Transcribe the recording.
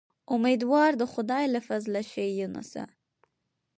امیدوار د خدای له فضله شه اې یونسه.